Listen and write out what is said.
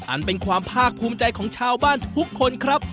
อันเป็นความภาคภูมิใจของชาวบ้านทุกคนครับ